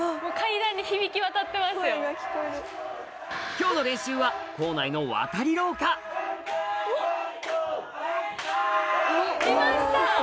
今日の練習は校内の渡り廊下うわっ！